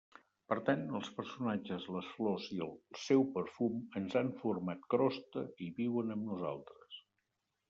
Per tant, els personatges, les flors i el seu perfum ens han format crosta i viuen amb nosaltres.